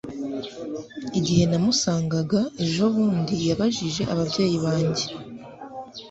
igihe namusangaga ejobundi yabajije ababyeyi banjye